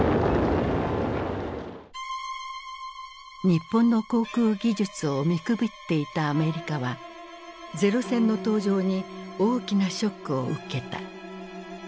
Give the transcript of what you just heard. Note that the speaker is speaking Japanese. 日本の航空技術を見くびっていたアメリカは零戦の登場に大きなショックを受けた。